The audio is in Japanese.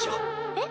えっ？